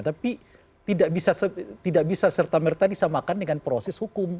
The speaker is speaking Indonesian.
tapi tidak bisa serta merta disamakan dengan proses hukum